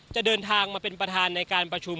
จะเดินทางมาเป็นประธานในการประชุม